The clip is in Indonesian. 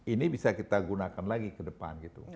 ini bisa kita gunakan lagi ke depan gitu